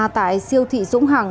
tại siêu thị dũng hằng